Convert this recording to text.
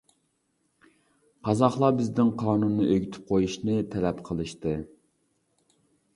قازاقلار بىزدىن قانۇننى ئۆگىتىپ قويۇشنى تەلەپ قىلىشتى.